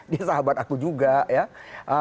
dia sahabat aku juga ya